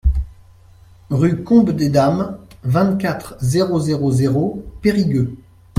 Rue Combe des Dames, vingt-quatre, zéro zéro zéro Périgueux